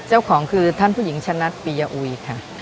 เจ้าของคือท่านผู้หญิงชะนัดปียอุยค่ะ